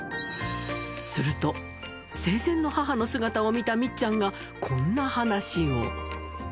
すると、生前の母の姿を見たみっちゃんがこんな話を。